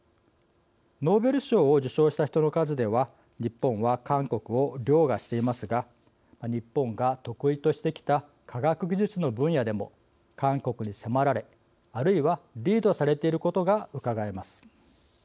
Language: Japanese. ノーベル賞を受賞した人の数では日本は韓国をりょうがしていますが日本が得意としてきた科学技術の分野でも韓国に迫られ、あるいはリードされていることが伺えます。